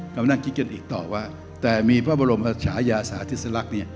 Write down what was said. กำลังนั่งคิดกันอีกต่อว่าแต่มีพระบรมชายาสาธิสลักษณ์